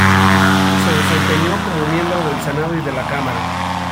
Se desempeñó como miembro del Senado y de la Cámara.